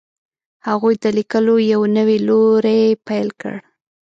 هغوی د لیکلو یو نوی لوری پیل کړ.